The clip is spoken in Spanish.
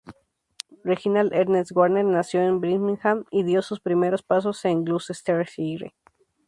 Reginald Ernest Warner nació en Birmingham y dio sus primeros pasos en Gloucestershire.